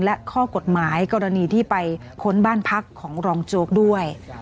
และข้อกฎหมายกรณีที่ไปค้นบ้านพักของรองโจ๊กด้วย